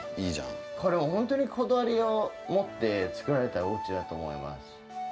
これ、本当にこだわりを持って造られたおうちだと思います。